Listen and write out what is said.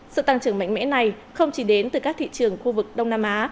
sự tăng trưởng mạnh mẽ này không chỉ đến từ các thị trường khu vực đông nam á